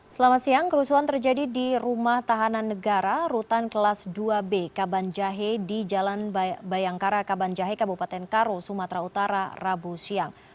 selamat siang kerusuhan terjadi di rumah tahanan negara rutan kelas dua b kaban jahe di jalan bayangkara kabanjahe kabupaten karo sumatera utara rabu siang